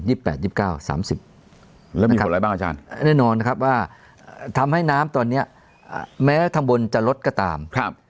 แล้วมีผลอะไรบ้างอาจารย์แน่นอนนะครับว่าทำให้น้ำตอนเนี้ยแม้ข้างบนจะลดก็ตามครับ